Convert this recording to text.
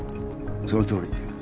そのとおり。